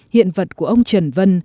hiện vật của ông trần vân